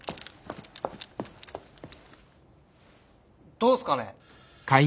どうすかね？